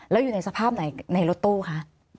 แล้วอยู่ในสภาพไหนในรถตู้คะ